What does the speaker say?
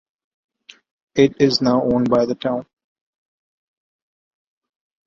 It is now owned by the town.